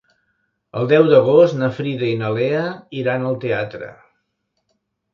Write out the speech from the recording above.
El deu d'agost na Frida i na Lea iran al teatre.